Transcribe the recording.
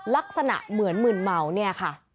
ลักษณะเหมือนมืนเมาเนี่ยค่ะ